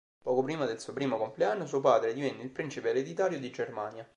Poco prima del suo primo compleanno suo padre divenne il principe ereditario di Germania.